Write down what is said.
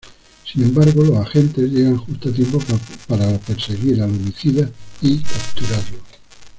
Sin embargo los agentes llegan justo a tiempo para perseguir al homicida y capturarlo.